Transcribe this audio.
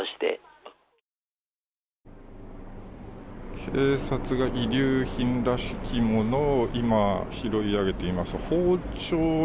警察が遺留品らしきものを今、拾い上げています。